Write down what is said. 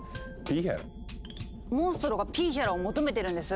モンストロがピーヒャラを求めてるんです！